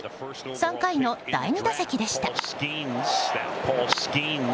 ３回の第２打席でした。